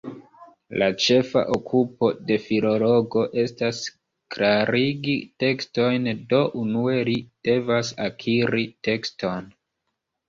La ĉefa okupo de filologo estas klarigi tekstojn, do, unue, li devas akiri tekston.